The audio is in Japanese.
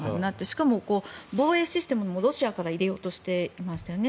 しかも、防衛システムもロシアから入れようとしていましたよね。